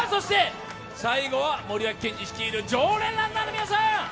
最後は森脇健児率いる常連ランナーの皆さん。